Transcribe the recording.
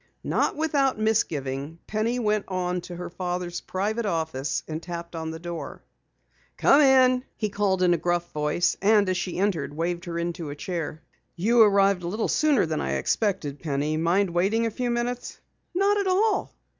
Not without misgiving, Penny went on to her father's private office and tapped on the door. "Come in," he called in a gruff voice, and as she entered, waved her into a chair. "You arrived a little sooner than I expected, Penny. Mind waiting a few minutes?" "Not at all."